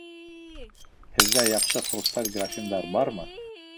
Һеҙҙә яҡшы хрусталь графиндар бармы?